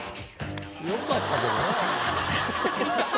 良かったけどな。